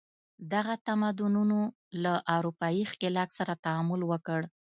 دغه تمدنونو له اروپايي ښکېلاک سره تعامل وکړ.